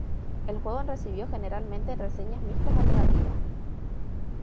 El juego recibió generalmente reseñas mixtas a negativas.